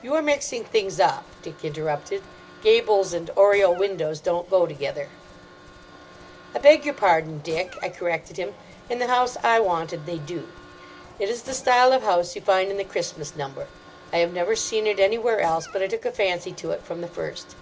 "You are mixing things up," Dick interrupted, "gables and oriel windows don't go together." "I beg your pardon, Dick," I corrected him, "in the house I wanted, they do. It is the style of house you find in the Christmas number. I have never seen it anywhere else, but I took a fancy to it from the first.